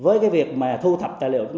với cái việc mà thu thập tài liệu